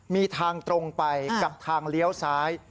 มีทางตรงไปกับทางเลี้ยวซ้าย